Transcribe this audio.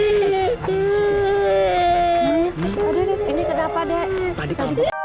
ini kenapa dek